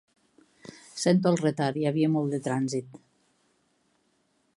Sento el retard, hi havia molt de trànsit.